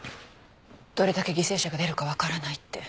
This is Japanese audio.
どれだけ犠牲者が出るか分からないって。